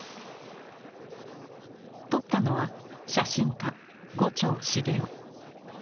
撮ったのは写真家牛腸茂雄。